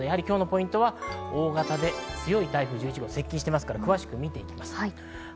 今日のポイントは大型で強い台風１１号が接近していますから詳しくみていきます。